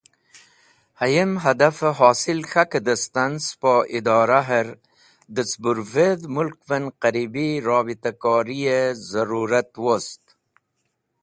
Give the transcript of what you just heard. Hayem Hadafe Hosil K̃hake distan Spo Idoraher de Ceburvedh Mulkven Qaribi Rabitakoriye Zarurat wost.